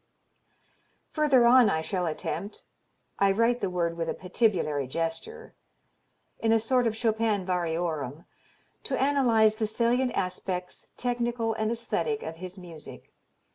Further on I shall attempt I write the word with a patibulary gesture in a sort of a Chopin variorum, to analyze the salient aspects, technical and aesthetic, of his music.